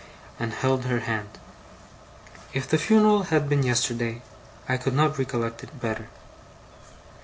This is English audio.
and held her hand. If the funeral had been yesterday, I could not recollect it better.